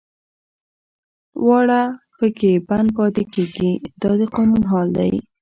واړه پکې بند پاتې کېږي دا د قانون حال دی.